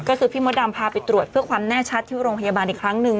ก็คือพี่มดดำพาไปตรวจเพื่อความแน่ชัดที่โรงพยาบาลอีกครั้งหนึ่ง